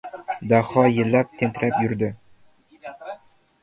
Daho yillab tentirab yurdi.